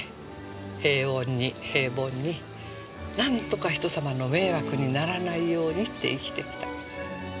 平穏に平凡になんとか人さまの迷惑にならないようにって生きてきた。